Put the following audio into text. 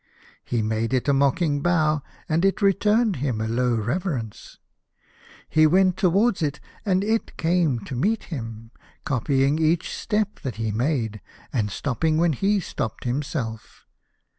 He made it a mocking bow, and it returned him a low reverence. He went to wards it, and it came to meet him, copying each step that he made, and stopping when he stopped himself.